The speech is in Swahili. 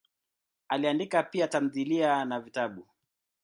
Aliandika pia tamthilia na vitabu.